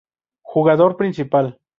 Jugador Principal